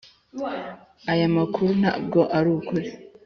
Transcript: aya makuru ntabwo arukuri.